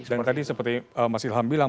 dan tadi seperti mas ilham bilang